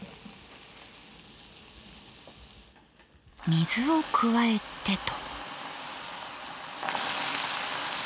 水を加えてと。